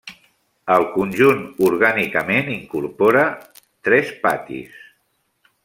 El conjunt orgànicament incorpora tres patis.